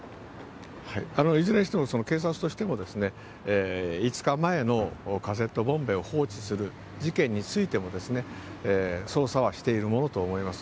いずれにしても、警察としても、５日前のカセットボンベを放置する事件についても、捜査はしているものと思います。